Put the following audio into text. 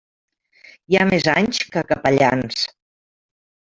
Hi ha més anys que capellans.